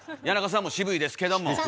谷中さんも渋いですけども！